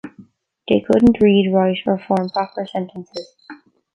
They couldn't read, write or form proper sentences.